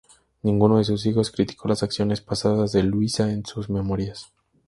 Ninguno de sus hijos criticó las acciones pasadas de Luisa en sus memorias.